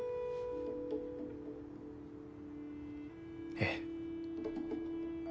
ええ。